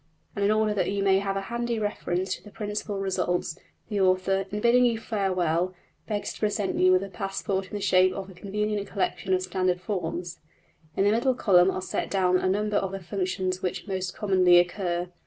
And in order that you may have a handy reference to the principal results, the author, in bidding you farewell, begs to present you with a passport in the shape of a convenient collection of standard forms (see \Pagerange{stdforms1}{stdforms2}). In the middle column are set down a number of the functions which most commonly occur.